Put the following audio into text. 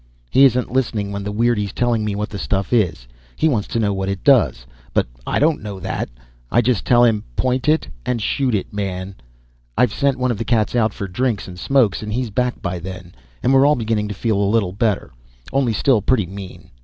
He isn't listening when the weirdie's telling me what the stuff is. He wants to know what it does, but I don't know that. I just tell him, "Point it and shoot it, man." I've sent one of the cats out for drinks and smokes and he's back by then, and we're all beginning to feel a little better, only still pretty mean.